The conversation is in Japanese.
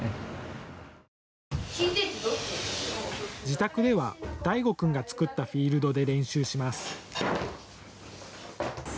自宅では大護君が作ったフィールドで練習します。